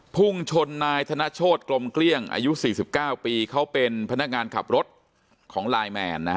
พุ่งชนนายธนโชธกลมเกลี้ยงอายุ๔๙ปีเขาเป็นพนักงานขับรถของไลน์แมน